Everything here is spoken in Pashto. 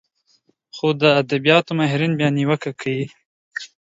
خو د ادبياتو ماهرين بيا نيوکه کوي